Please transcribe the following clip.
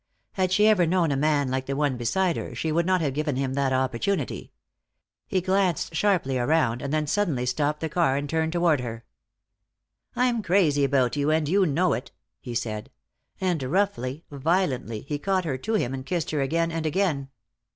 Had she ever known a man like the one beside her, she would not have given him that opportunity. He glanced sharply around, and then suddenly stopped the car and turned toward her. "I'm crazy about you, and you know it," he said. And roughly, violently, he caught her to him and kissed her again and again.